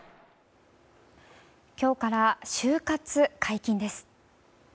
今日から就活解禁です。